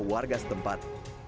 di rumah warga setempat